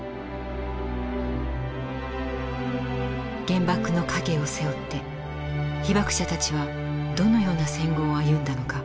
原爆の影を背負って被爆者たちはどのような戦後を歩んだのか。